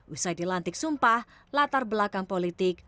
usai dilantik sumpah latar belakang politik